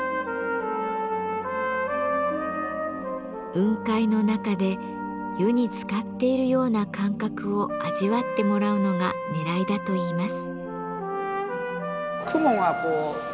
雲海の中で湯に浸かっているような感覚を味わってもらうのがねらいだといいます。